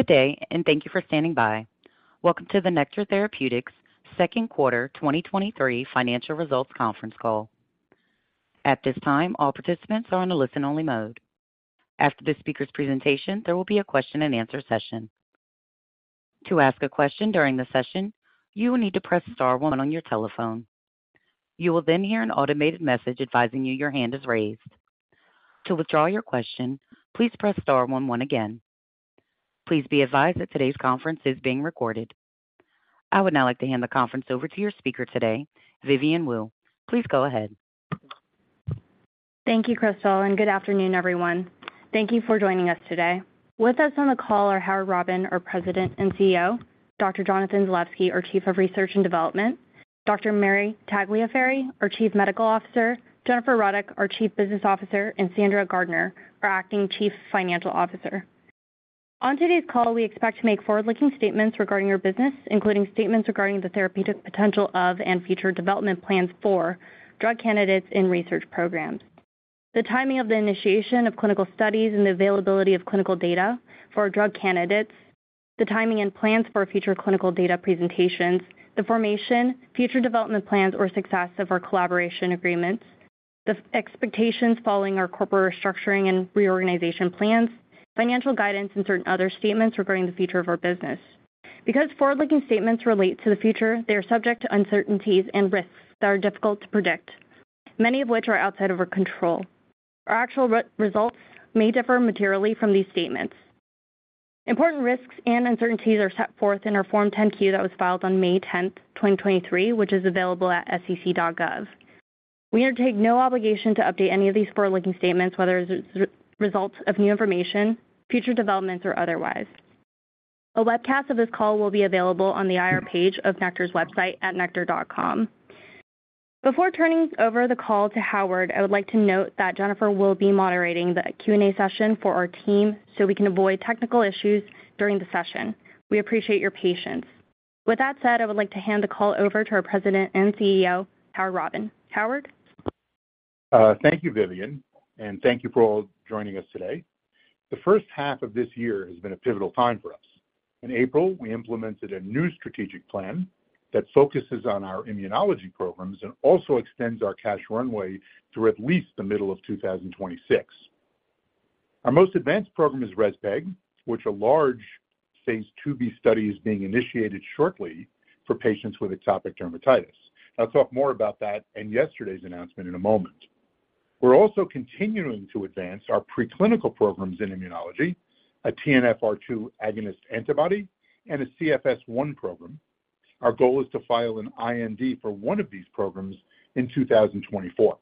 Good day, thank you for standing by. Welcome to the Nektar Therapeutics second quarter 2023 financial results conference call. At this time, all participants are on a listen-only mode. After the speaker's presentation, there will be a question-and-answer session. To ask a question during the session, you will need to press star 1 on your telephone. You will then hear an automated message advising you your hand is raised. To withdraw your question, please press star 11 again. Please be advised that today's conference is being recorded. I would now like to hand the conference over to your speaker today, Vivian Wu. Please go ahead. Thank you, Crystal, and good afternoon, everyone. Thank you for joining us today. With us on the call are Howard Robin, our President and CEO, Dr. Jonathan Zalevsky, our Chief of Research and Development, Dr. Mary Tagliaferri, our Chief Medical Officer, Jennifer Ruddock, our Chief Business Officer, and Sandra Gardiner, our Acting Chief Financial Officer. On today's call, we expect to make forward-looking statements regarding our business, including statements regarding the therapeutic potential of and future development plans for drug candidates in research programs, the timing of the initiation of clinical studies and the availability of clinical data for drug candidates, the timing and plans for future clinical data presentations, the formation, future development plans or success of our collaboration agreements, the expectations following our corporate restructuring and reorganization plans, financial guidance, and certain other statements regarding the future of our business. Because forward-looking statements relate to the future, they are subject to uncertainties and risks that are difficult to predict, many of which are outside of our control. Our actual results may differ materially from these statements. Important risks and uncertainties are set forth in our Form 10-Q that was filed on May 10th, 2023, which is available at sec.gov. We undertake no obligation to update any of these forward-looking statements, whether as a result of new information, future developments, or otherwise. A webcast of this call will be available on the IR page of Nektar's website at nektar.com. Before turning over the call to Howard, I would like to note that Jennifer will be moderating the Q&A session for our team so we can avoid technical issues during the session. We appreciate your patience. With that said, I would like to hand the call over to our President and CEO, Howard Robin. Howard? Thank you, Vivian, and thank you for all joining us today. The first half of this year has been a pivotal time for us. In April, we implemented a new strategic plan that focuses on our immunology programs and also extends our cash runway through at least the middle of 2026. Our most advanced program is Rezpeg, which a large Phase 2b study is being initiated shortly for patients with atopic dermatitis. I'll talk more about that in yesterday's announcement in a moment. We're also continuing to advance our preclinical programs in immunology, a TNFR2 agonist antibody, and a CSF1 program. Our goal is to file an IND for one of these programs in 2024.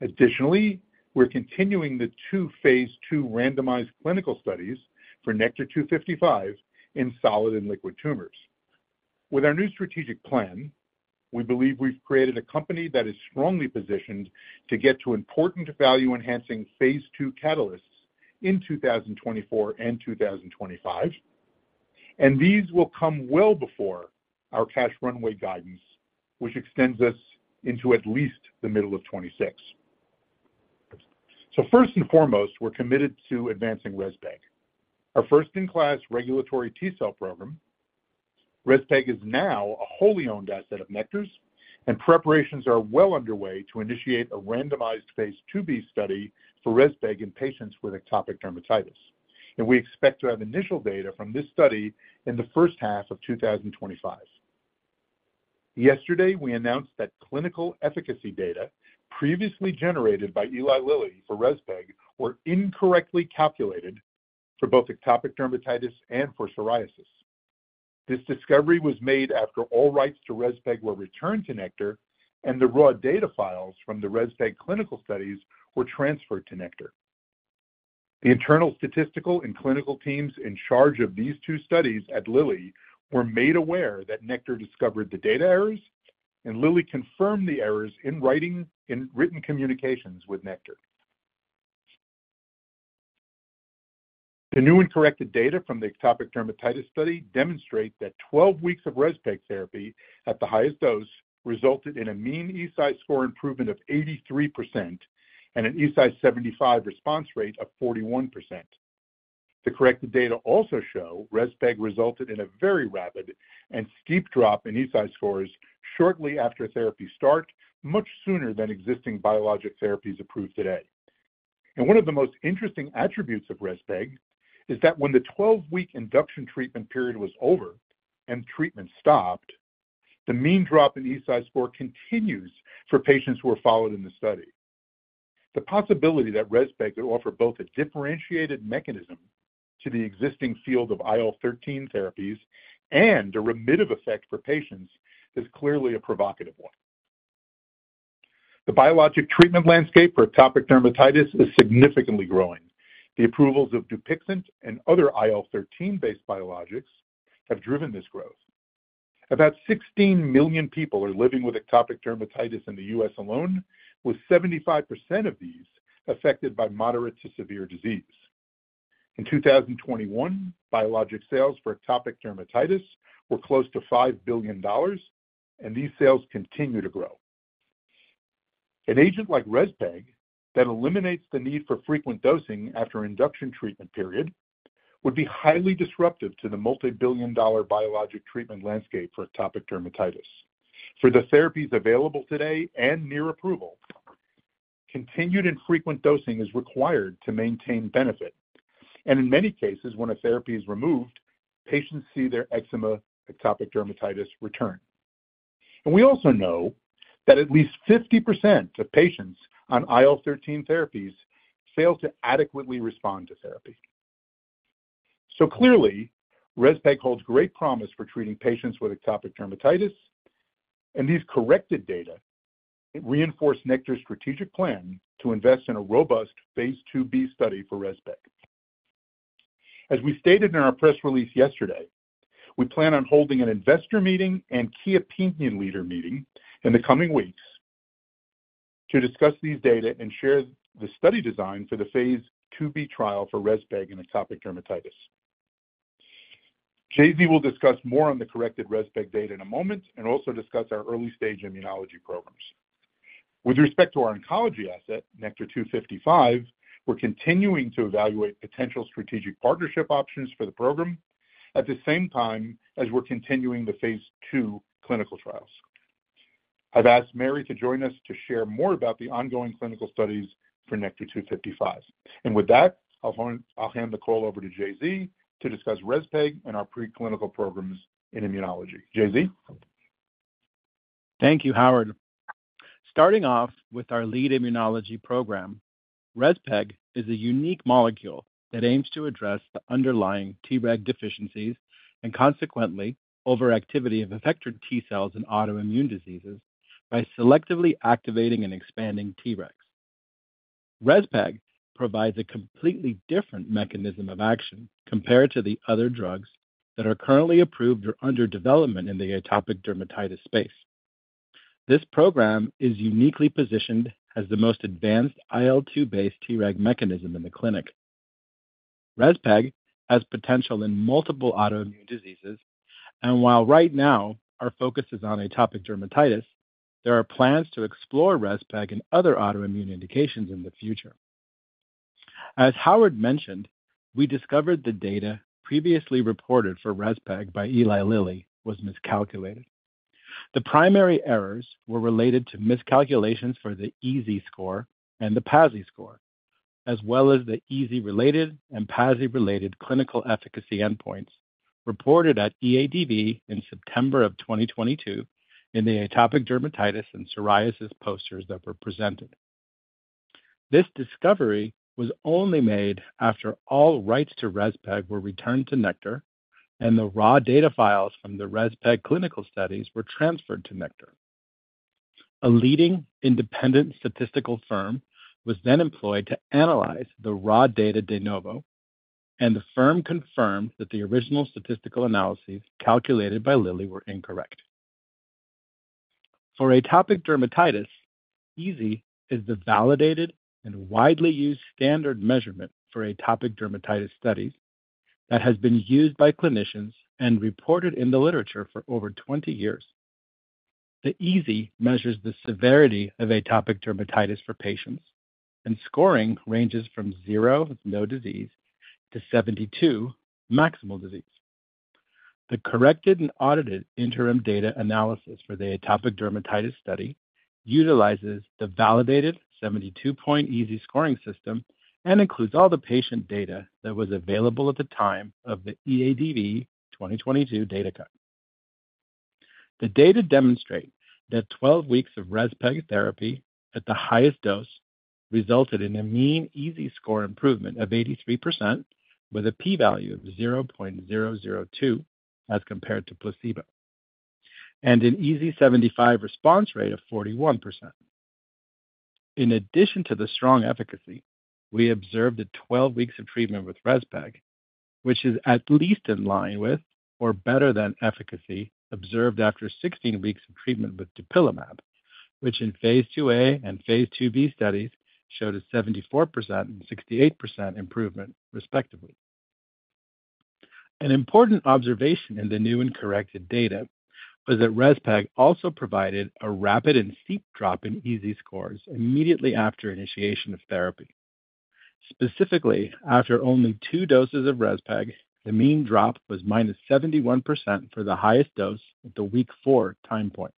Additionally, we're continuing the 2 Phase 2 randomized clinical studies for NKTR-255 in solid and liquid tumors. With our new strategic plan, we believe we've created a company that is strongly positioned to get to important value-enhancing phase 2 catalysts in 2024 and 2025. These will come well before our cash runway guidance, which extends us into at least the middle of 2026. First and foremost, we're committed to advancing Rezpeg, our first-in-class regulatory T cell program. Rezpeg is now a wholly owned asset of Nektar's. Preparations are well underway to initiate a randomized Phase 2b study for Rezpeg in patients with atopic dermatitis. We expect to have initial data from this study in the first half of 2025. Yesterday, we announced that clinical efficacy data previously generated by Eli Lilly for Rezpeg were incorrectly calculated for both atopic dermatitis and for psoriasis. This discovery was made after all rights to Rezpeg were returned to Nektar, and the raw data files from the Rezpeg clinical studies were transferred to Nektar. The internal statistical and clinical teams in charge of these two studies at Lilly were made aware that Nektar discovered the data errors, and Lilly confirmed the errors in writing, in written communications with Nektar. The new and corrected data from the atopic dermatitis study demonstrate that 12 weeks of Rezpeg therapy at the highest dose resulted in a mean EASI score improvement of 83% and an EASI-75 response rate of 41%. The corrected data also show Rezpeg resulted in a very rapid and steep drop in EASI scores shortly after therapy start, much sooner than existing biologic therapies approved today. One of the most interesting attributes of Rezpeg is that when the 12-week induction treatment period was over and treatment stopped, the mean drop in EASI score continues for patients who are followed in the study. The possibility that Rezpeg could offer both a differentiated mechanism to the existing field of IL-13 therapies and a remittive effect for patients is clearly a provocative one. The biologic treatment landscape for atopic dermatitis is significantly growing. The approvals of Dupixent and other IL-13-based biologics have driven this growth. About 16 million people are living with atopic dermatitis in the US alone, with 75% of these affected by moderate to severe disease. In 2021, biologic sales for atopic dermatitis were close to $5 billion, and these sales continue to grow. An agent like Rezpeg that eliminates the need for frequent dosing after induction treatment period, would be highly disruptive to the multi-billion dollar biologic treatment landscape for atopic dermatitis. For the therapies available today and near approval, continued and frequent dosing is required to maintain benefit, and in many cases, when a therapy is removed, patients see their eczema atopic dermatitis return. We also know that at least 50% of patients on IL-13 therapies fail to adequately respond to therapy. Clearly, Rezpeg holds great promise for treating patients with atopic dermatitis, and these corrected data reinforce Nektar's strategic plan to invest in a robust Phase 2b study for Rezpeg. As we stated in our press release yesterday, we plan on holding an investor meeting and key opinion leader meeting in the coming weeks to discuss these data and share the study design for the Phase 2b trial for Rezpeg in atopic dermatitis. JZ will discuss more on the corrected Rezpeg data in a moment and also discuss our early-stage immunology programs. With respect to our oncology asset, NKTR-255, we're continuing to evaluate potential strategic partnership options for the program at the same time as we're continuing the Phase 2 clinical trials. I've asked Mary to join us to share more about the ongoing clinical studies for NKTR-255. With that, I'll hand the call over to JZ to discuss Rezpeg and our preclinical programs in immunology. JZ? Thank you, Howard. Starting off with our lead immunology program, Rezpeg is a unique molecule that aims to address the underlying Treg deficiencies and consequently overactivity of effector T cells in autoimmune diseases by selectively activating and expanding Tregs. Rezpeg provides a completely different mechanism of action compared to the other drugs that are currently approved or under development in the atopic dermatitis space. This program is uniquely positioned as the most advanced IL-2-based Treg mechanism in the clinic. Rezpeg has potential in multiple autoimmune diseases, and while right now our focus is on atopic dermatitis, there are plans to explore Rezpeg in other autoimmune indications in the future. As Howard mentioned, we discovered the data previously reported for Rezpeg by Eli Lilly was miscalculated. The primary errors were related to miscalculations for the EASI score and the PASI score, as well as the EASI-related and PASI-related clinical efficacy endpoints reported at EADV in September of 2022 in the atopic dermatitis and psoriasis posters that were presented. This discovery was only made after all rights to Rezpeg were returned to Nektar, and the raw data files from the Rezpeg clinical studies were transferred to Nektar. A leading independent statistical firm was then employed to analyze the raw data de novo, and the firm confirmed that the original statistical analyses calculated by Lilly were incorrect. For atopic dermatitis, EASI is the validated and widely used standard measurement for atopic dermatitis studies that has been used by clinicians and reported in the literature for over 20 years. The EASI measures the severity of atopic dermatitis for patients, and scoring ranges from 0, no disease, to 72, maximal disease. The corrected and audited interim data analysis for the atopic dermatitis study utilizes the validated 72-point EASI scoring system and includes all the patient data that was available at the time of the EADV 2022 data cut. The data demonstrate that 12 weeks of Rezpeg therapy at the highest dose resulted in a mean EASI score improvement of 83%, with a p-value of 0.002 as compared to placebo, and an EASI-75 response rate of 41%. In addition to the strong efficacy, we observed that 12 weeks of treatment with Rezpeg, which is at least in line with or better than efficacy observed after 16 weeks of treatment with dupilumab, which in phase 2a and phase 2b studies showed a 74% and 68% improvement, respectively. An important observation in the new and corrected data was that Rezpeg also provided a rapid and steep drop in EASI scores immediately after initiation of therapy. Specifically, after only 2 doses of Rezpeg, the mean drop was minus 71% for the highest dose at the week 4 time point.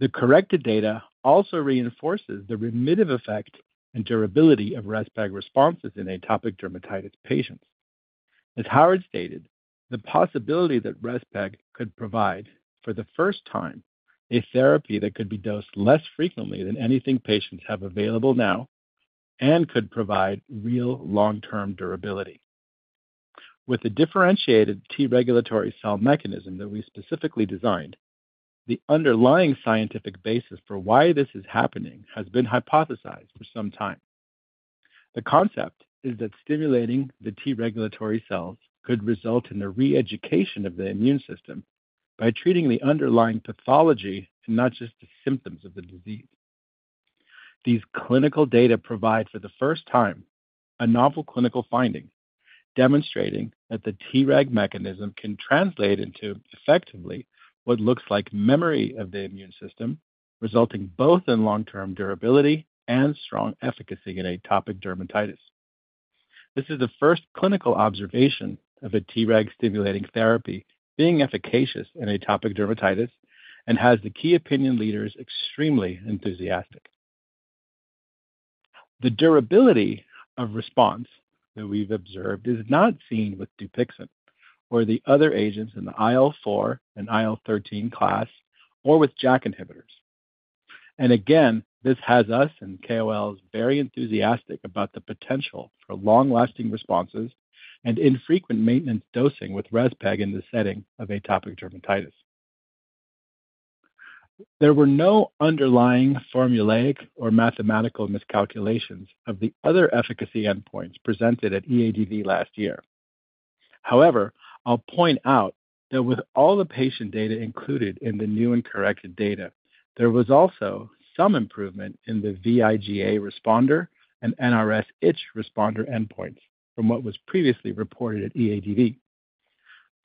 The corrected data also reinforces the remittive effect and durability of Rezpeg responses in atopic dermatitis patients. As Howard stated, the possibility that Rezpeg could provide, for the first time, a therapy that could be dosed less frequently than anything patients have available now and could provide real long-term durability. With the differentiated T regulatory cell mechanism that we specifically designed, the underlying scientific basis for why this is happening has been hypothesized for some time. The concept is that stimulating the T regulatory cells could result in a re-education of the immune system by treating the underlying pathology and not just the symptoms of the disease. These clinical data provide, for the first time, a novel clinical finding, demonstrating that the Treg mechanism can translate into effectively what looks like memory of the immune system, resulting both in long-term durability and strong efficacy in atopic dermatitis. This is the first clinical observation of a Treg-stimulating therapy being efficacious in atopic dermatitis and has the Key Opinion Leaders extremely enthusiastic. The durability of response that we've observed is not seen with Dupixent or the other agents in the IL-4 and IL-13 class or with JAK inhibitors. Again, this has us and KOLs very enthusiastic about the potential for long-lasting responses and infrequent maintenance dosing with Rezpeg in the setting of atopic dermatitis. There were no underlying formulaic or mathematical miscalculations of the other efficacy endpoints presented at EADV last year. However, I'll point out that with all the patient data included in the new and corrected data, there was also some improvement in the vIGA responder and NRS itch responder endpoints from what was previously reported at EADV.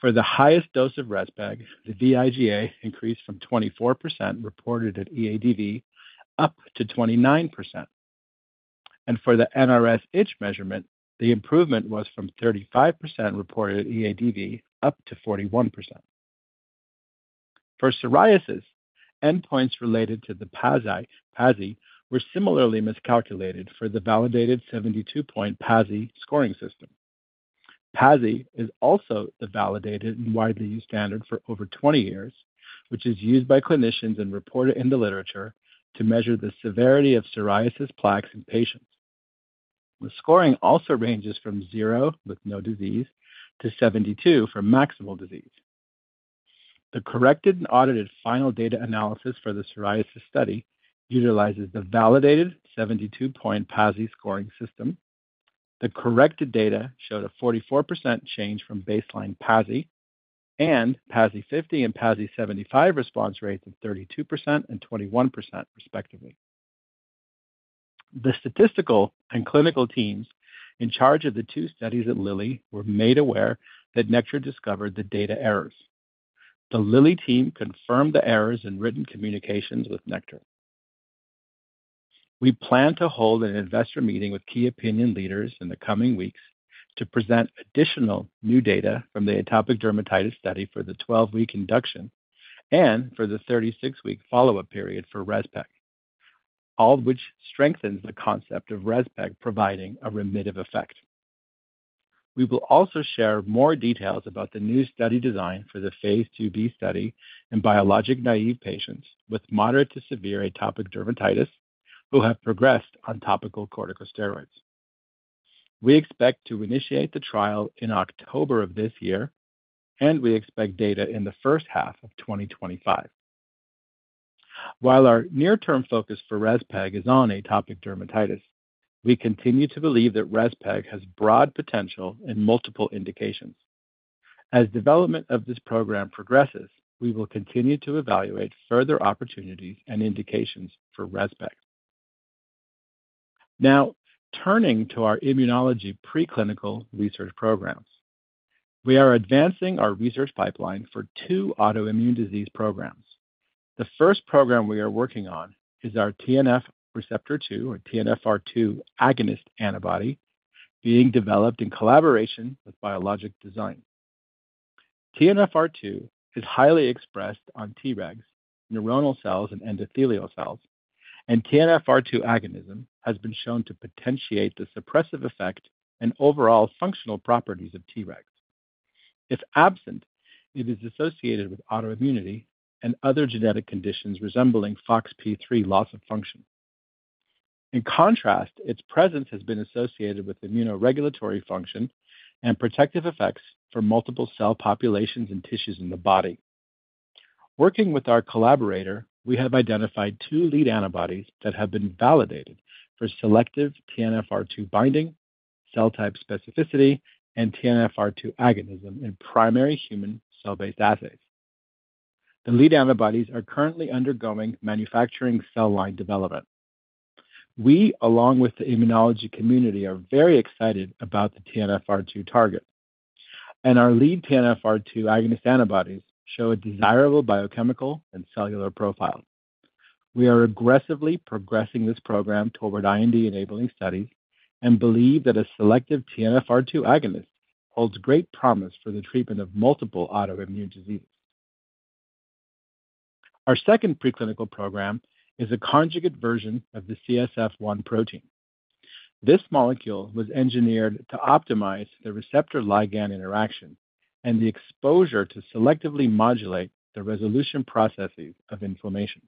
For the highest dose of Rezpeg, the vIGA increased from 24% reported at EADV up to 29%, and for the NRS itch measurement, the improvement was from 35% reported at EADV up to 41%. For psoriasis, endpoints related to the PASI, PASI were similarly miscalculated for the validated 72-point PASI scoring system. PASI is also the validated and widely used standard for over 20 years, which is used by clinicians and reported in the literature to measure the severity of psoriasis plaques in patients. The scoring also ranges from 0, with no disease, to 72 for maximal disease. The corrected and audited final data analysis for the psoriasis study utilizes the validated 72-point PASI scoring system. The corrected data showed a 44% change from baseline PASI and PASI-50 and PASI-75 response rates of 32% and 21%, respectively. The statistical and clinical teams in charge of the two studies at Lilly were made aware that Nektar discovered the data errors. The Lilly team confirmed the errors in written communications with Nektar. We plan to hold an investor meeting with key opinion leaders in the coming weeks to present additional new data from the atopic dermatitis study for the 12-week induction and for the 36-week follow-up period for Rezpeg, all of which strengthens the concept of Rezpeg providing a remittive effect. We will also share more details about the new study design for the Phase 2b study in biologic-naive patients with moderate to severe atopic dermatitis who have progressed on topical corticosteroids. We expect to initiate the trial in October of this year, we expect data in the first half of 2025. While our near-term focus for Rezpeg is on atopic dermatitis, we continue to believe that Rezpeg has broad potential in multiple indications. As development of this program progresses, we will continue to evaluate further opportunities and indications for Rezpeg. Now, turning to our immunology preclinical research programs. We are advancing our research pipeline for two autoimmune disease programs. The first program we are working on is our TNF receptor two or TNFR2 agonist antibody being developed in collaboration with Biolojic Design. TNFR2 is highly expressed on Tregs, neuronal cells, and endothelial cells, and TNFR2 agonism has been shown to potentiate the suppressive effect and overall functional properties of Tregs. If absent, it is associated with autoimmunity and other genetic conditions resembling FOXP3 loss of function. In contrast, its presence has been associated with immunoregulatory function and protective effects for multiple cell populations and tissues in the body. Working with our collaborator, we have identified two lead antibodies that have been validated for selective TNFR2 binding, cell type specificity, and TNFR2 agonism in primary human cell-based assays. The lead antibodies are currently undergoing manufacturing cell line development. We, along with the immunology community, are very excited about the TNFR2 target, and our lead TNFR2 agonist antibodies show a desirable biochemical and cellular profile. We are aggressively progressing this program toward IND-enabling studies and believe that a selective TNFR2 agonist holds great promise for the treatment of multiple autoimmune diseases. Our second preclinical program is a conjugate version of the CSF-one protein. This molecule was engineered to optimize the receptor-ligand interaction and the exposure to selectively modulate the resolution processes of inflammation.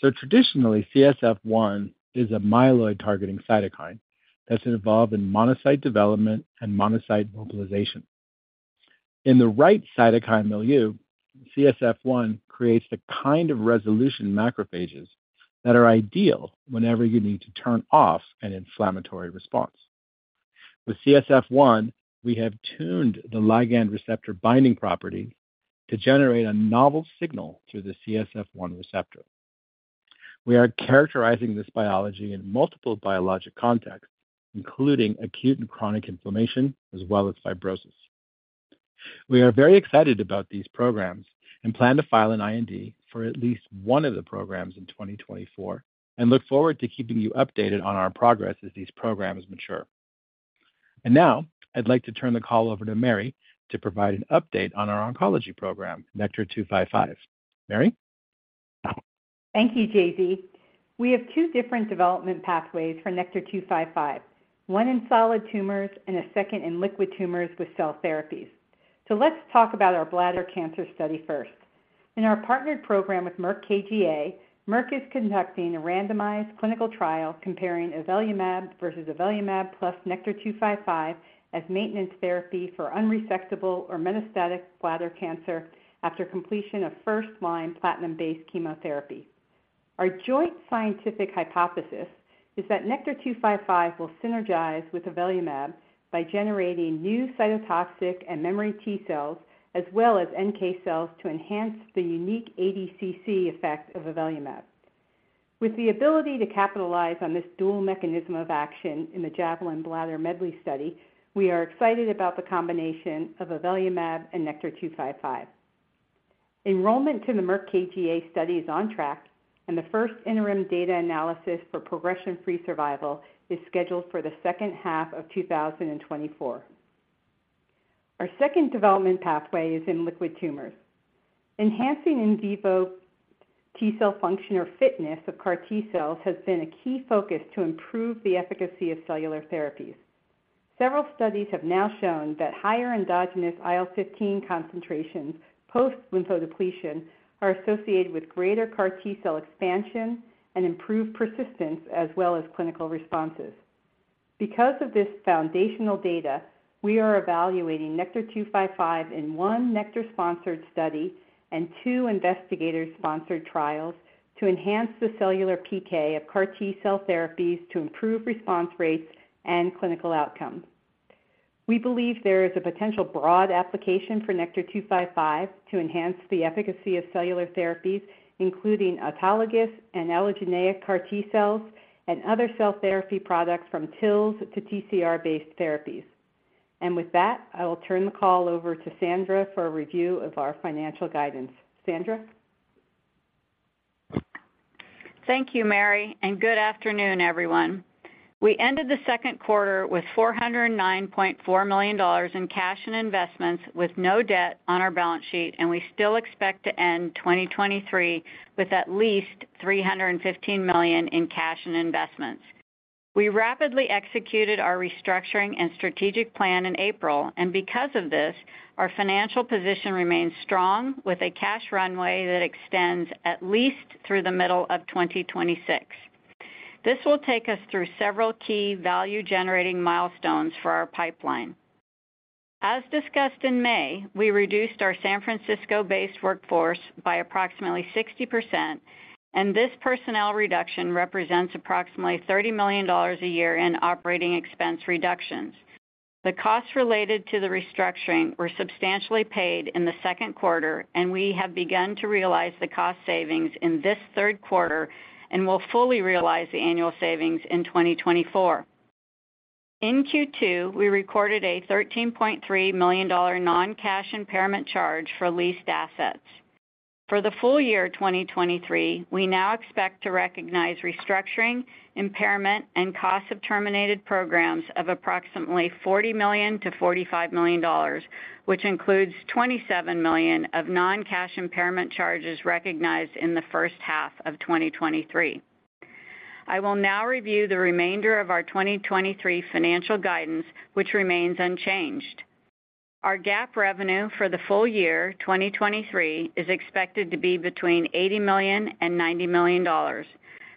Traditionally, CSF-one is a myeloid-targeting cytokine that's involved in monocyte development and monocyte mobilization. In the right cytokine milieu, CSF-1 creates the kind of resolution macrophages that are ideal whenever you need to turn off an inflammatory response. With CSF1, we have tuned the ligand receptor binding property to generate a novel signal through the CSF1 receptor. We are characterizing this biology in multiple biologic contexts, including acute and chronic inflammation, as well as fibrosis. We are very excited about these programs and plan to file an IND for at least one of the programs in 2024, and look forward to keeping you updated on our progress as these programs mature. Now I'd like to turn the call over to Mary to provide an update on our oncology program, NKTR-255. Mary? Thank you, JZ. We have two different development pathways for NKTR-255, one in solid tumors and a second in liquid tumors with cell therapies. Let's talk about our bladder cancer study first. In our partnered program with Merck KGaA, Merck is conducting a randomized clinical trial comparing avelumab versus avelumab plus NKTR-255 as maintenance therapy for unresectable or metastatic bladder cancer after completion of first-line platinum-based chemotherapy. Our joint scientific hypothesis is that NKTR-255 will synergize with avelumab by generating new cytotoxic and memory T cells, as well as NK cells, to enhance the unique ADCC effect of avelumab. With the ability to capitalize on this dual mechanism of action in the JAVELIN Bladder Medley study, we are excited about the combination of avelumab and NKTR-255. Enrollment to the Merck KGaA study is on track. The first interim data analysis for progression-free survival is scheduled for the second half of 2024. Our second development pathway is in liquid tumors. Enhancing in vivo T cell function or fitness of CAR T cells has been a key focus to improve the efficacy of cellular therapies. Several studies have now shown that higher endogenous IL-15 concentrations post lymphodepletion are associated with greater CAR T cell expansion and improved persistence, as well as clinical responses. Because of this foundational data, we are evaluating NKTR-255 in one Nektar-sponsored study and two investigator-sponsored trials to enhance the cellular PK of CAR T cell therapies to improve response rates and clinical outcomes. We believe there is a potential broad application for NKTR-255 to enhance the efficacy of cellular therapies, including autologous and allogeneic CAR T cells and other cell therapy products from TILS to TCR-based therapies. With that, I will turn the call over to Sandra for a review of our financial guidance. Sandra? Thank you, Mary. Good afternoon, everyone. We ended the second quarter with $409.4 million in cash and investments, with no debt on our balance sheet. We still expect to end 2023 with at least $315 million in cash and investments. We rapidly executed our restructuring and strategic plan in April, because of this, our financial position remains strong, with a cash runway that extends at least through the middle of 2026. This will take us through several key value-generating milestones for our pipeline. As discussed in May, we reduced our San Francisco-based workforce by approximately 60%. This personnel reduction represents approximately $30 million a year in operating expense reductions. The costs related to the restructuring were substantially paid in the second quarter, and we have begun to realize the cost savings in this third quarter and will fully realize the annual savings in 2024. In Q2, we recorded a $13.3 million non-cash impairment charge for leased assets. For the full year 2023, we now expect to recognize restructuring, impairment, and costs of terminated programs of approximately $40 million-$45 million, which includes $27 million of non-cash impairment charges recognized in the first half of 2023. I will now review the remainder of our 2023 financial guidance, which remains unchanged. Our GAAP revenue for the full year 2023 is expected to be between $80 million and $90 million.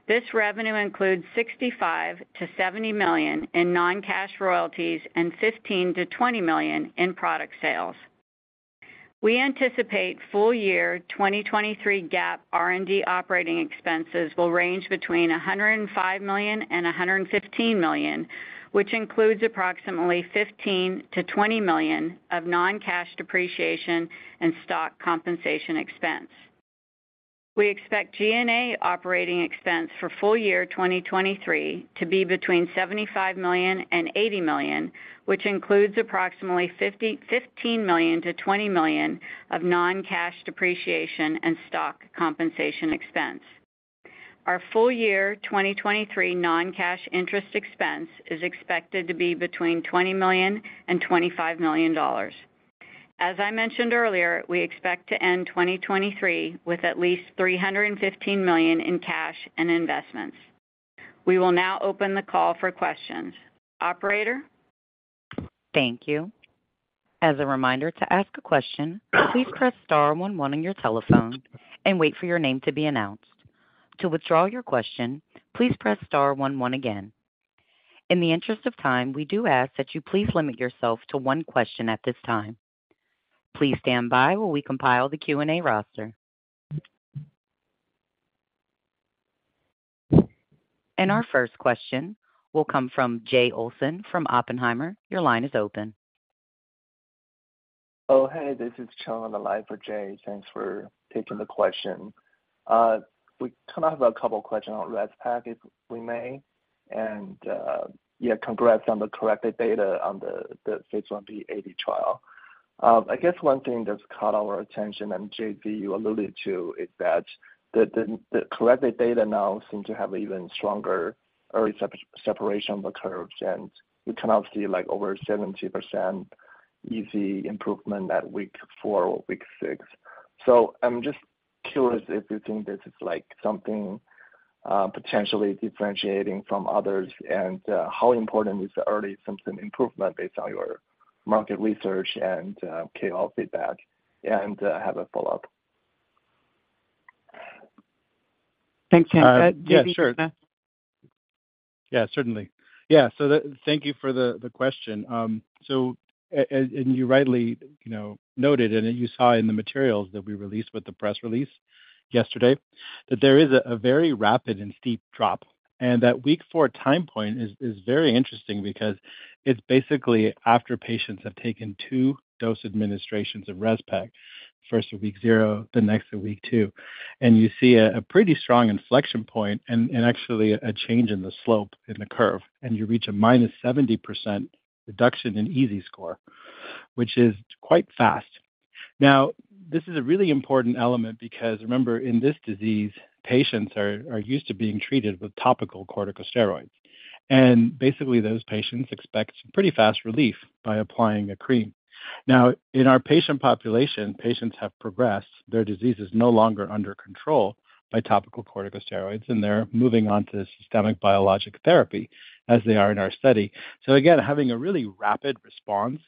This revenue includes $65 million-$70 million in non-cash royalties and $15 million-$20 million in product sales. We anticipate full-year 2023 GAAP R&D operating expenses will range between $105 million and $115 million, which includes approximately $15 million-$20 million of non-cash depreciation and stock compensation expense. We expect G&A operating expense for full year 2023 to be between $75 million and $80 million, which includes approximately $15 million-$20 million of non-cash depreciation and stock compensation expense. Our full year 2023 non-cash interest expense is expected to be between $20 million and $25 million. As I mentioned earlier, we expect to end 2023 with at least $315 million in cash and investments. We will now open the call for questions. Operator? Thank you. As a reminder, to ask a question, please press star one, one on your telephone and wait for your name to be announced. To withdraw your question, please press star one, one again. In the interest of time, we do ask that you please limit yourself to one question at this time. Please stand by while we compile the Q&A roster. Our first question will come from Jay Olson from Oppenheimer. Your line is open. Oh, hey, this is Chen, on the line for Jay. Thanks for taking the question. We kind of have a couple questions on Rezpeg, if we may. Yeah, congrats on the corrected data on the, the phase 1b AD trial. I guess one thing that's caught our attention, and JZ, you alluded to, is that the, the, the corrected data now seem to have even stronger early separation of the curves, and we cannot see, like, over 70% EASI improvement at week 4 or week 6. I'm just curious if you think this is like something, potentially differentiating from others, and how important is the early symptom improvement based on your market research and KOL feedback? I have a follow-up. Thanks, Chen. JZ- Yeah, sure. Yeah, certainly. Thank you for the, the question. And you rightly, you know, noted, and you saw in the materials that we released with the press release yesterday, that there is a, a very rapid and steep drop. That week 4 time point is, is very interesting because it's basically after patients have taken 2 dose administrations of Rezpeg, first at week 0, the next at week 2. You see a, a pretty strong inflection point and actually a change in the slope in the curve, and you reach a minus 70% reduction in EASI score, which is quite fast. Now, this is a really important element because remember, in this disease, patients are, are used to being treated with topical corticosteroids. Basically, those patients expect pretty fast relief by applying a cream. In our patient population, patients have progressed. Their disease is no longer under control by topical corticosteroids, and they're moving on to systemic biologic therapy, as they are in our study. Again, having a really rapid response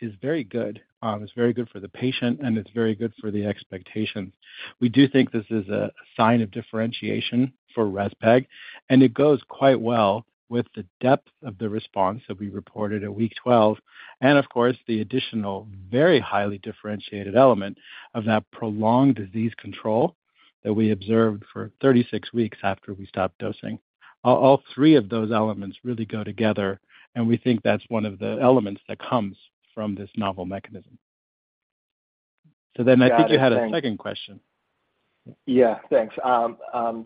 is very good. It's very good for the patient, and it's very good for the expectations. We do think this is a sign of differentiation for Rezpeg, and it goes quite well with the depth of the response that we reported at week 12. Of course, the additional very highly differentiated element of that prolonged disease control that we observed for 36 weeks after we stopped dosing. All three of those elements really go together, and we think that's one of the elements that comes from this novel mechanism. Then I think you had a second question. Yeah, thanks.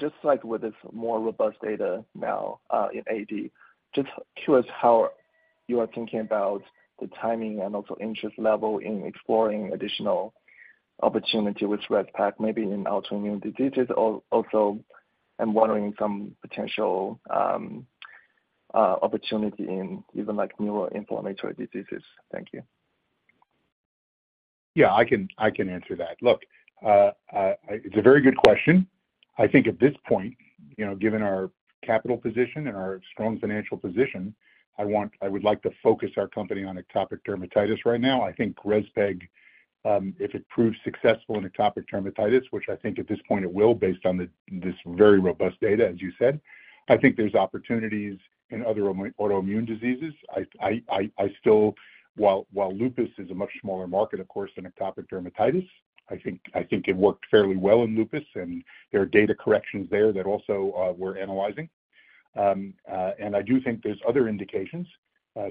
Just like with this more robust data now, in AD, just curious how you are thinking about the timing and also interest level in exploring additional opportunity with Rezpeg, maybe in autoimmune diseases. Also, I'm wondering some potential opportunity in even like neuroinflammatory diseases. Thank you. Yeah, I can, I can answer that. Look, it's a very good question. I think at this point, you know, given our capital position and our strong financial position, I want, I would like to focus our company on atopic dermatitis right now. I think Rezpeg, if it proves successful in atopic dermatitis, which I think at this point it will, based on the, this very robust data, as you said, I think there's opportunities in other autoimmune diseases. I, I, I, I still while, while lupus is a much smaller market, of course, than atopic dermatitis, I think, I think it worked fairly well in lupus, and there are data corrections there that also, we're analyzing. I do think there's other indications,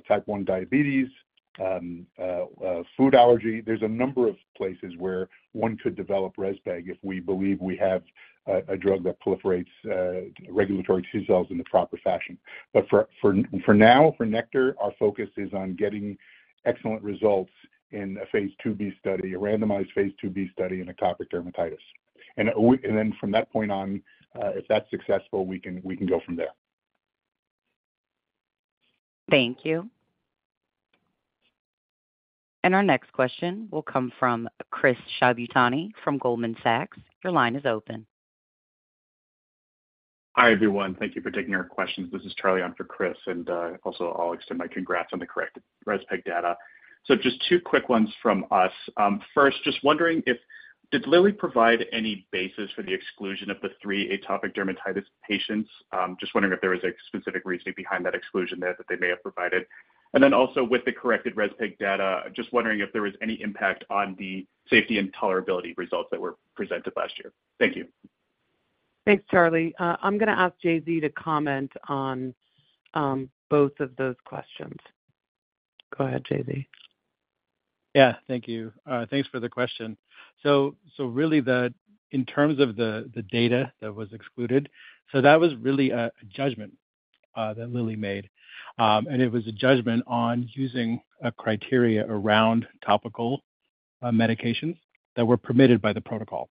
type one diabetes, food allergy. There's a number of places where one could develop Rezpeg if we believe we have a, a drug that proliferates regulatory T cells in the proper fashion. For, for, for now, for Nektar, our focus is on getting excellent results in a phase 2b study, a randomized phase 2b study in atopic dermatitis. Then from that point on, if that's successful, we can, we can go from there. Thank you. Our next question will come from Chris Shibutani from Goldman Sachs. Your line is open. Hi, everyone. Thank you for taking our questions. This is Charlie on for Chris, and also I'll extend my congrats on the corrected Rezpeg data. Just two quick ones from us. First, just wondering if, did Lilly provide any basis for the exclusion of the three atopic dermatitis patients? Just wondering if there was a specific reasoning behind that exclusion that, that they may have provided. Then also with the corrected Rezpeg data, just wondering if there was any impact on the safety and tolerability results that were presented last year. Thank you. Thanks, Charlie. I'm gonna ask JZ to comment on both of those questions. Go ahead, JZ. Yeah, thank you. Thanks for the question. Really, the, in terms of the, the data that was excluded, that was really a judgment that Lilly made. It was a judgment on using a criteria around topical medications that were permitted by the protocol.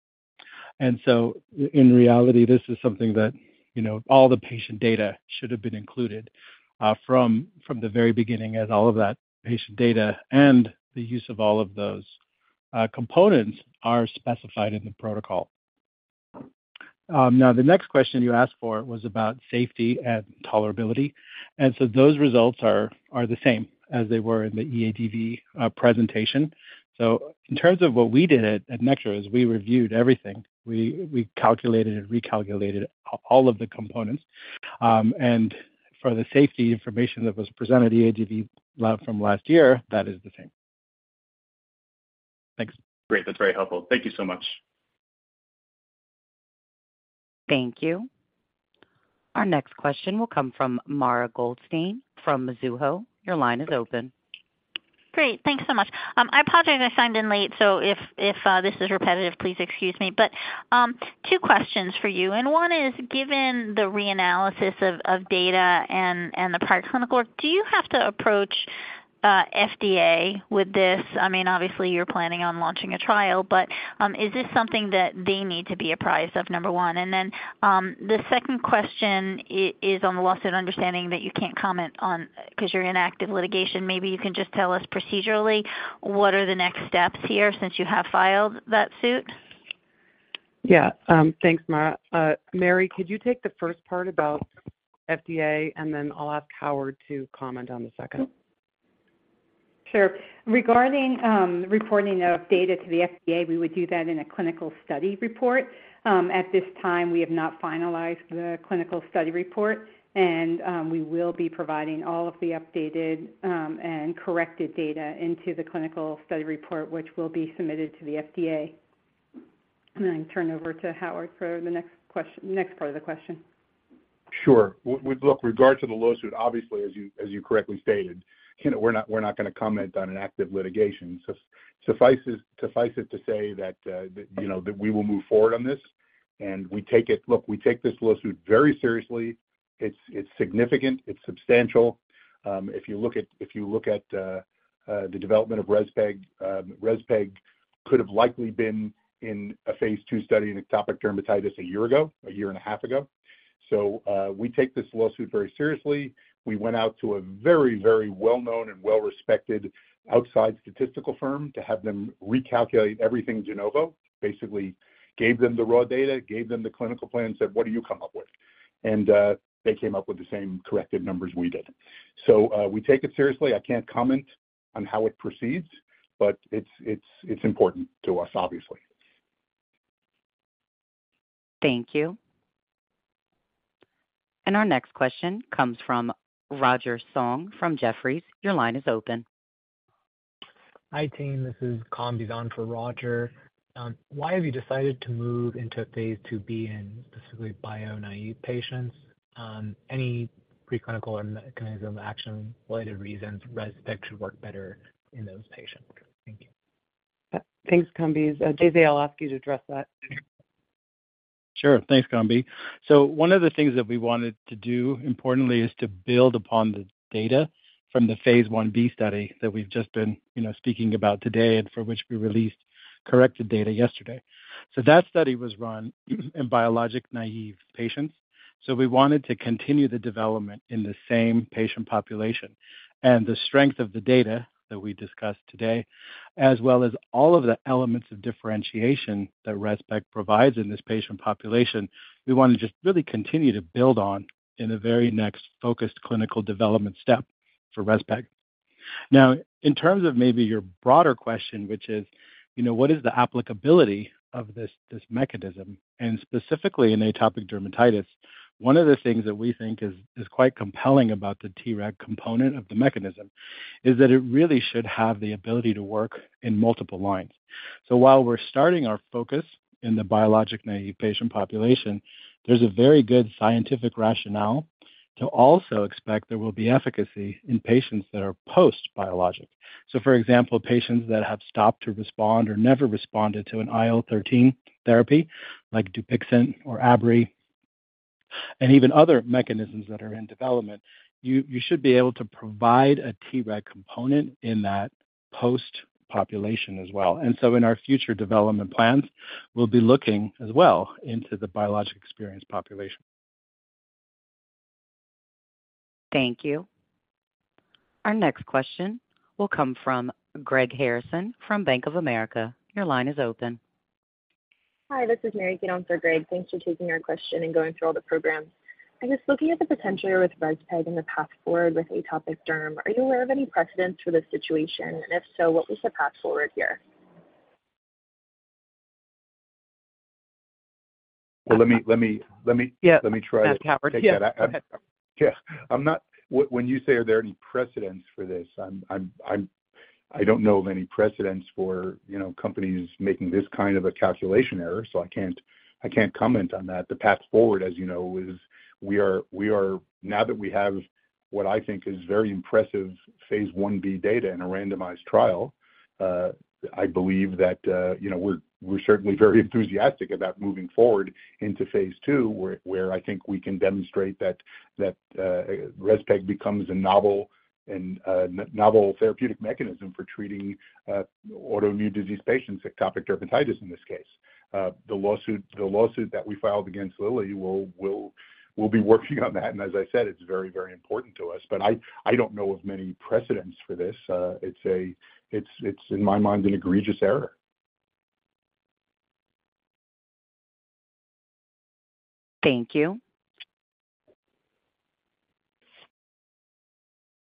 In reality, this is something that, you know, all the patient data should have been included from, from the very beginning, as all of that patient data and the use of all of those components are specified in the protocol. Now, the next question you asked for was about safety and tolerability, those results are, are the same as they were in the EADV presentation. In terms of what we did at, at Nektar, is we reviewed everything. We, we calculated and recalculated all, all of the components. For the safety information that was presented at EADV from last year, that is the same. Thanks. Great. That's very helpful. Thank you so much. Thank you. Our next question will come from Mara Goldstein from Mizuho. Your line is open. Great. Thanks so much. I apologize I signed in late, so if, if this is repetitive, please excuse me. Two questions for you, and one is, given the reanalysis of data and the prior clinical work, do you have to approach FDA with this? I mean, obviously, you're planning on launching a trial, but is this something that they need to be apprised of? Number one. The second question is on the lawsuit, understanding that you can't comment on, 'cause you're in active litigation. Maybe you can just tell us procedurally, what are the next steps here since you have filed that suit? Yeah. Thanks, Mara. Mary, could you take the first part about FDA, and then I'll ask Howard to comment on the second? Sure. Regarding reporting of data to the FDA, we would do that in a clinical study report. At this time, we have not finalized the clinical study report, and we will be providing all of the updated and corrected data into the clinical study report, which will be submitted to the FDA. Then turn over to Howard for the next question, next part of the question. Sure. With regard to the lawsuit, obviously, as you, as you correctly stated, you know, we're not gonna comment on an active litigation. Suffice it to say that, you know, that we will move forward on this, and we take it. Look, we take this lawsuit very seriously. It's, it's significant. It's substantial. If you look at the development of Rezpeg, Rezpeg could have likely been in a phase 2 study in Atopic Dermatitis 1 year ago, 1.5 years ago. We take this lawsuit very seriously. We went out to a very, very well-known and well-respected outside statistical firm to have them recalculate everything de novo. Basically gave them the raw data, gave them the clinical plan, and said, "What do you come up with?" They came up with the same corrected numbers we did. We take it seriously. I can't comment on how it proceeds, but it's, it's, it's important to us, obviously. Thank you. Our next question comes from Roger Song from Jefferies. Your line is open. Hi, team. This is Kambi on for Roger. Why have you decided to move into phase 2b in specifically bio-naive patients? Any preclinical or mechanism action-related reasons Rezpeg should work better in those patients? Thank you. Thanks, Kambi. JZ, I'll ask you to address that. Sure. Thanks, Kambi. One of the things that we wanted to do, importantly, is to build upon the data from the phase 1b study that we've just been, you know, speaking about today and for which we released corrected data yesterday. That study was run in biologic-naive patients. We wanted to continue the development in the same patient population. The strength of the data that we discussed today, as well as all of the elements of differentiation that Rezpeg provides in this patient population, we want to just really continue to build on in the very next focused clinical development step for Rezpeg. Now, in terms of maybe your broader question, which is, you know, what is the applicability of this, this mechanism, and specifically in atopic dermatitis, one of the things that we think is, is quite compelling about the TREG component of the mechanism is that it really should have the ability to work in multiple lines. While we're starting our focus in the biologic-naive patient population, there's a very good scientific rationale to also expect there will be efficacy in patients that are post-biologic. For example, patients that have stopped to respond or never responded to an IL-13 therapy, like Dupixent or Adbry, and even other mechanisms that are in development, you, you should be able to provide a TREG component in that post population as well. In our future development plans, we'll be looking as well into the biologic experience population. Thank you. Our next question will come from Greg Harrison from Bank of America. Your line is open. Hi, this is Mary Kate Davis for Greg Harrison. Thanks for taking our question and going through all the programs. I was just looking at the potential with Rezpeg and the path forward with Atopic Derm. Are you aware of any precedents for this situation? If so, what was the path forward here? Well, let me, let me, let me- Yeah. Let me try. That's Howard. Yeah. Go ahead. Yeah. I'm not when you say, are there any precedents for this? I don't know of any precedents for, you know, companies making this kind of a calculation error, so I can't, I can't comment on that. The path forward, as you know, is we are now that we have what I think is very impressive phase 1b data in a randomized trial, I believe that, you know, we're certainly very enthusiastic about moving forward into phase 2, where I think we can demonstrate that Respeg becomes a novel and novel therapeutic mechanism for treating autoimmune disease patients, Atopic dermatitis in this case. The lawsuit, the lawsuit that we filed against Lilly, we'll be working on that. As I said, it's very, very important to us. I, I don't know of many precedents for this. It's a, it's, it's in my mind, an egregious error. Thank you.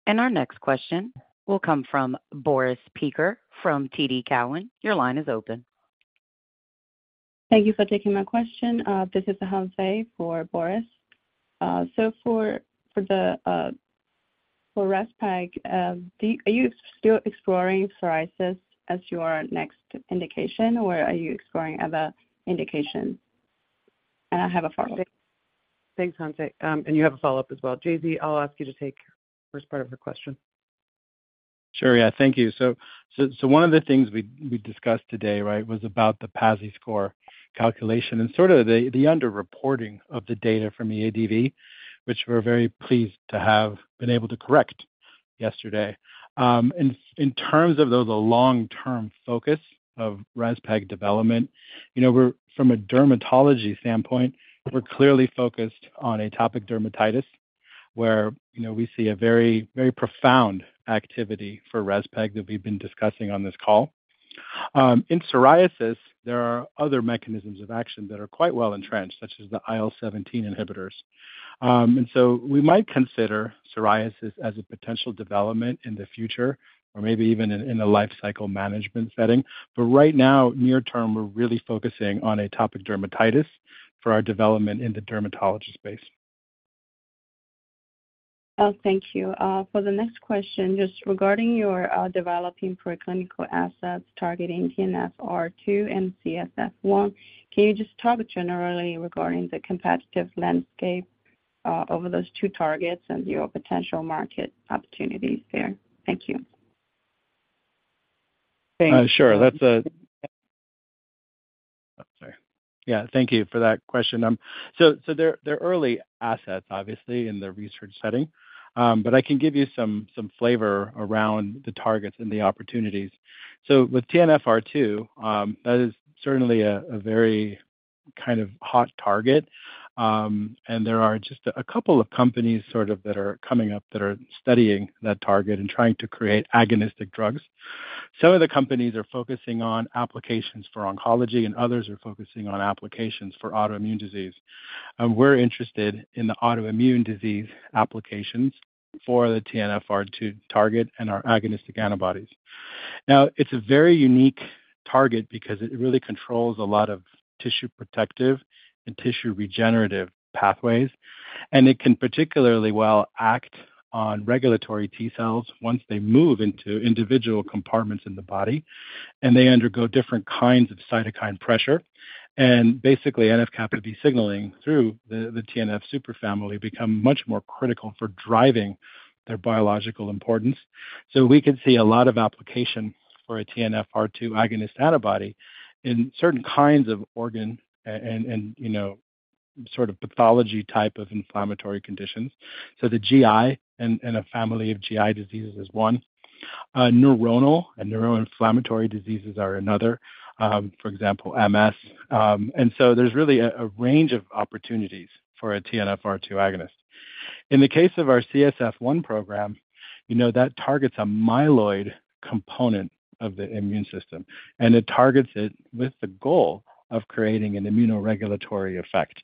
Our next question will come from Boris Peaker from TD Cowen. Your line is open. Thank you for taking my question. This is Jose for Boris. For, for the, for Rezpeg, do you, are you still exploring psoriasis as your next indication, or are you exploring other indications? I have a follow-up. Thanks, Jose. You have a follow-up as well. JZ, I'll ask you to take the first part of her question. Sure. Yeah, thank you. So one of the things we, we discussed today, right, was about the PASI score calculation and sort of the, the underreporting of the data from EADV, which we're very pleased to have been able to correct yesterday. In terms of, though, the long-term focus of Rezpeg development, you know, we're, from a dermatology standpoint, we're clearly focused on Atopic dermatitis, where, you know, we see a very, very profound activity for Rezpeg that we've been discussing on this call. In psoriasis, there are other mechanisms of action that are quite well entrenched, such as the IL-17 inhibitors. So we might consider psoriasis as a potential development in the future or maybe even in, in a lifecycle management setting. Right now, near term, we're really focusing on Atopic dermatitis for our development in the dermatology space. Oh, thank you. For the next question, just regarding your developing preclinical assets targeting TNFR2 and CSF1, can you just talk generally regarding the competitive landscape over those two targets and your potential market opportunities there? Thank you. Thanks. Sure. I'm sorry. Yeah, thank you for that question. They're early assets, obviously, in the research setting, but I can give you some flavor around the targets and the opportunities. With TNFR2, that is certainly a very kind of hot target. There are just a couple of companies that are coming up that are studying that target and trying to create agonistic drugs. Some of the companies are focusing on applications for oncology, and others are focusing on applications for autoimmune disease. We're interested in the autoimmune disease applications for the TNFR2 target and our agonistic antibodies. Now, it's a very unique target because it really controls a lot of tissue protective and tissue regenerative pathways, and it can particularly well act on regulatory T cells once they move into individual compartments in the body, and they undergo different kinds of cytokine pressure. Basically, NF-κB signaling through the TNF superfamily become much more critical for driving their biological importance. We could see a lot of application for a TNFR2 agonist antibody in certain kinds of organ and, you know, sort of pathology type of inflammatory conditions. The GI and a family of GI diseases is one. Neuronal and neuroinflammatory diseases are another, for example, MS. There's really a, a range of opportunities for a TNFR2 agonist. In the case of our CSF1 program, you know, that targets a myeloid component of the immune system, and it targets it with the goal of creating an immunoregulatory effect.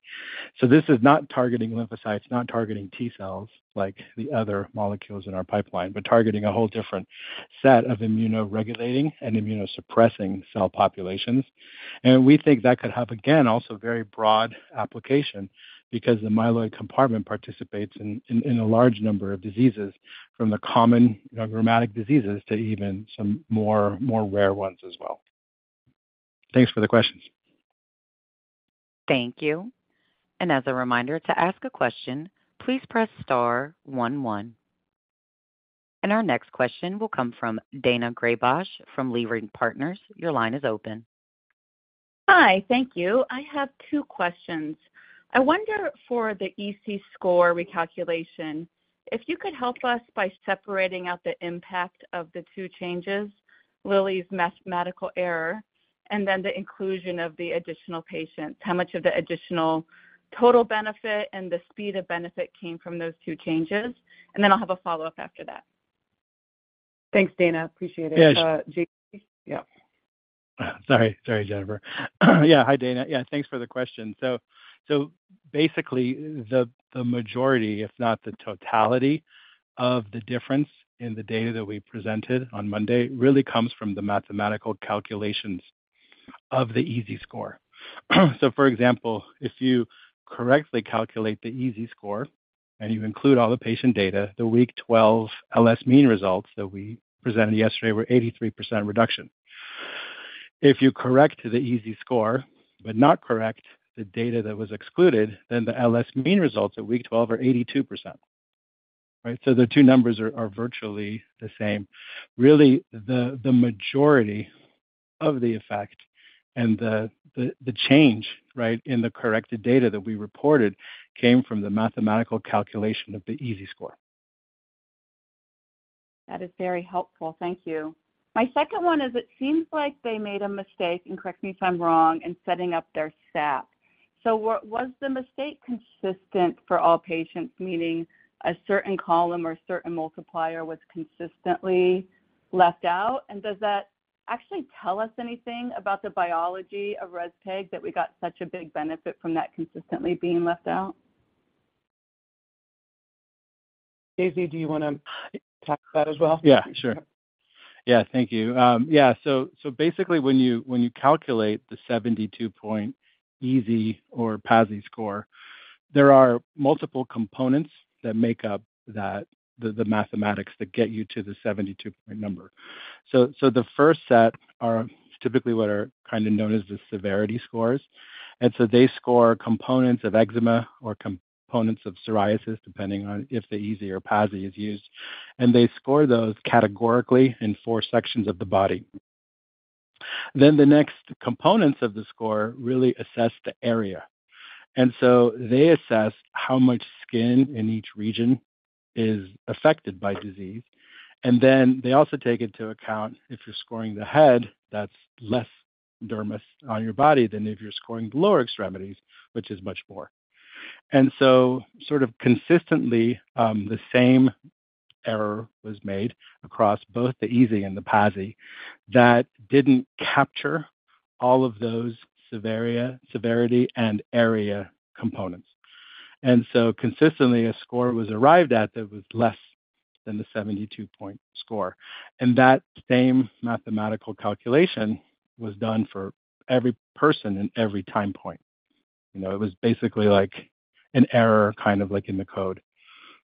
This is not targeting lymphocytes, not targeting T cells like the other molecules in our pipeline, but targeting a whole different set of immunoregulating and immunosuppressing cell populations. We think that could have, again, also very broad application because the myeloid compartment participates in a large number of diseases, from the common, you know, rheumatic diseases to even some more, more rare ones as well. Thanks for the questions. Thank you. As a reminder, to ask a question, please press star one, one. Our next question will come from Daina Graybosch from Leerink Partners. Your line is open. Hi. Thank you. I have two questions. I wonder, for the EASI score recalculation, if you could help us by separating out the impact of the two changes, Lilly's mathematical error, and then the inclusion of the additional patients. How much of the additional total benefit and the speed of benefit came from those two changes? Then I'll have a follow-up after that. Thanks, Dana. Appreciate it. Yeah. JZ? Yeah. Sorry. Sorry, Jennifer. Yeah. Hi, Dana. Yeah, thanks for the question. Basically, the, the majority, if not the totality, of the difference in the data that we presented on Monday really comes from the mathematical calculations of the EASI score. For example, if you correctly calculate the EASI score and you include all the patient data, the week 12 LS mean results that we presented yesterday were 83% reduction. If you correct the EASI score, but not correct the data that was excluded, then the LS mean results at week 12 are 82%, right? The two numbers are, are virtually the same. Really, the, the majority of the effect and the, the, the change, right, in the corrected data that we reported came from the mathematical calculation of the EASI score. That is very helpful. Thank you. My second one is: It seems like they made a mistake, and correct me if I'm wrong, in setting up their stat. Was the mistake consistent for all patients, meaning a certain column or a certain multiplier was consistently left out? Does that actually tell us anything about the biology of Rezpeg, that we got such a big benefit from that consistently being left out? JZ, do you want to talk about as well? Yeah, sure. Yeah, thank you. Basically when you, when you calculate the 72 point EASI or PASI score, there are multiple components that make up that, the, the mathematics that get you to the 72 point number. The first set are typically what are kind of known as the severity scores, and so they score components of eczema or components of psoriasis, depending on if the EASI or PASI is used. They score those categorically in four sections of the body. The next components of the score really assess the area. They assess how much skin in each region is affected by disease, and then they also take into account if you're scoring the head, that's less dermis on your body than if you're scoring the lower extremities, which is much more. Consistently, the same error was made across both the EASI and the PASI that didn't capture all of those severity and area components. Consistently, a score was arrived at that was less than the 72 point score, and that same mathematical calculation was done for every person in every time point. You know, it was basically like an error, kind of like in the code,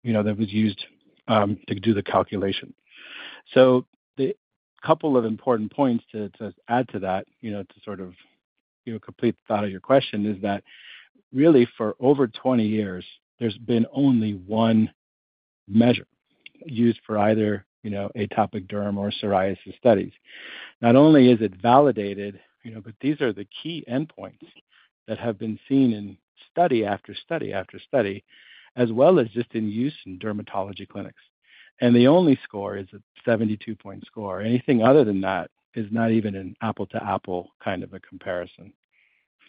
you know, that was used to do the calculation. The couple of important points to, to add to that, you know, to sort of, you know, complete the thought of your question, is that really, for over 20 years, there's been only one measure used for either, you know, Atopic derm or psoriasis studies. Not only is it validated, you know, but these are the key endpoints that have been seen in study after study after study, as well as just in use in dermatology clinics. The only score is a 72-point score. Anything other than that is not even an apple-to-apple kind of a comparison.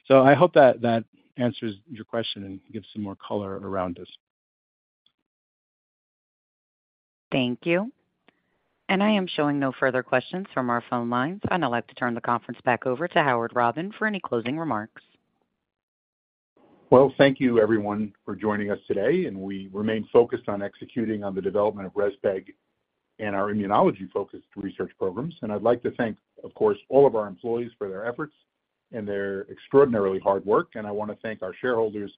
I hope that that answers your question and gives some more color around this. Thank you. I am showing no further questions from our phone lines. I'd now like to turn the conference back over to Howard Robin for any closing remarks. Well, thank you everyone for joining us today. We remain focused on executing on the development of Rezpeg and our immunology-focused research programs. I'd like to thank, of course, all of our employees for their efforts and their extraordinarily hard work. I want to thank our shareholders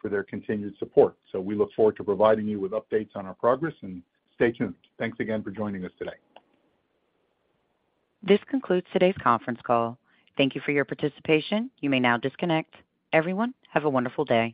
for their continued support. We look forward to providing you with updates on our progress and stay tuned. Thanks again for joining us today. This concludes today's conference call. Thank you for your participation. You may now disconnect. Everyone, have a wonderful day.